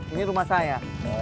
ini rumah saya